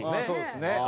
そうですね。